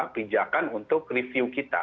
pinjakan untuk review kita